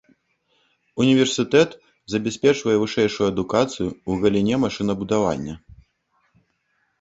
Універсітэт забяспечвае вышэйшую адукацыю ў галіне машынабудавання.